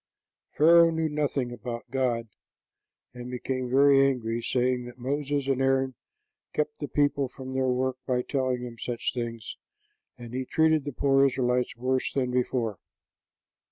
Pharaoh knew nothing about God, and became very angry, saying that Moses and Aaron kept the people from their work by telling them such things; and he treated the poor Israelites worse than before.